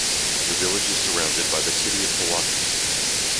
The village is surrounded by the City of Pewaukee.